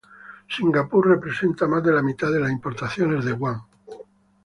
Singapur representa más de la mitad de las importaciones de Guam.